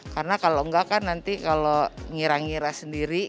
karena kalau tidak nanti kalau mengira ngira sendiri